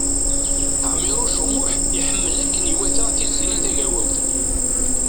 Ɛmiṛuc U Muḥ iḥemmel akken iwata Tiziri Tagawawt.